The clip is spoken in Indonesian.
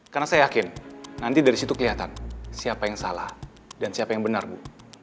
karena saya yakin nanti dari situ kelihatan siapa yang salah dan siapa yang benar bu